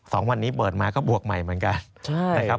สองวันนี้เปิดมาก็บวกใหม่เหมือนกันใช่นะครับ